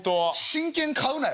真剣買うなよ。